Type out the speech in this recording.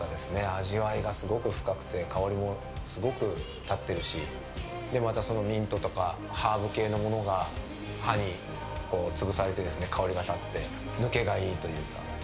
味わいがすごく深くて香りもすごく立ってるしミントとかハーブ系のものが歯に潰されて香りが立って抜けがいいというか。